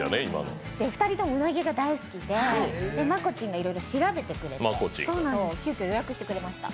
２人ともうなぎが大好きで、まこちんが調べてくれて急きょ、予約してくれました。